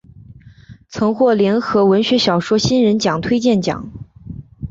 曾获联合文学小说新人奖推荐奖。